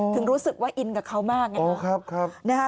ถึงรู้สึกว่าอินกับเขามากอ๋อครับครับนะฮะ